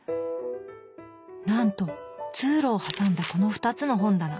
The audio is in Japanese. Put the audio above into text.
なんと通路を挟んだこの２つの本棚。